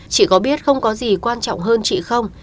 chỉ có biết không có gì quan trọng hơn chị không